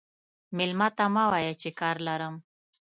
مېلمه ته مه وایه چې کار لرم.